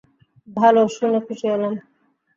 ভালো, শুনে খুশি হলাম।